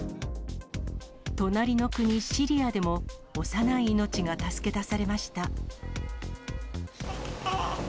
隣の国、シリアでも幼い命が助け出されました。